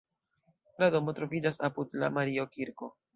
La domo troviĝas apud la Mario-kirko.